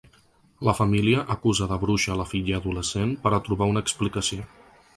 La família acusa de bruixa a la filla adolescent per a trobar una explicació.